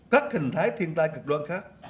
các hình thái thiên tai cực đoan